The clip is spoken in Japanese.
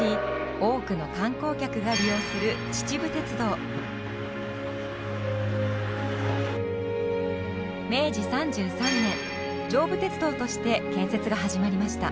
多くの観光客が利用する明治３３年上武鉄道として建設が始まりました。